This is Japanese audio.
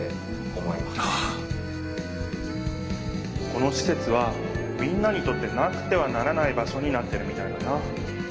このしせつはみんなにとってなくてはならない場所になってるみたいだな。